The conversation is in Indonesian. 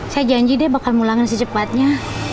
saya janji deh bakal mulangin secepatnya